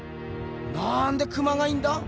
なんでクマがいんだ？